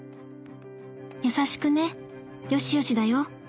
『優しくねよしよしだよ。